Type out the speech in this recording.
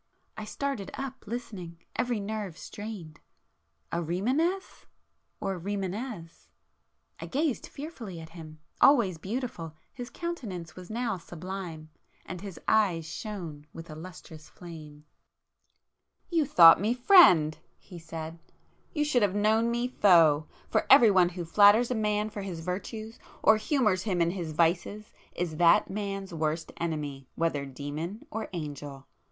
I started up listening, every nerve strained——Ahrimanes?—or Rimânez? I gazed fearfully at him, ... always beautiful, his countenance was now sublime, ... and his eyes shone with a lustrous flame. [p 466]"You thought me friend!" he said—"You should have known me Foe! For everyone who flatters a man for his virtues, or humours him in his vices is that man's worst enemy, whether demon or angel!